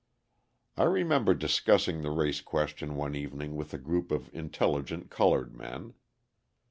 I remember discussing the race question one evening with a group of intelligent coloured men.